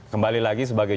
kembali lagi sebagai